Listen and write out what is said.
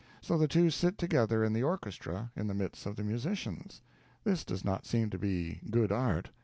So the two sit together in the orchestra, in the midst of the musicians. This does not seem to be good art.